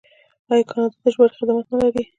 آیا کاناډا د ژباړې خدمات نلري؟